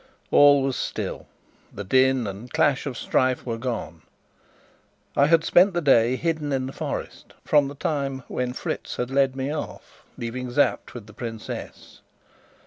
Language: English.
All was still; the din and clash of strife were gone. I had spent the day hidden in the forest, from the time when Fritz had led me off, leaving Sapt with the princess.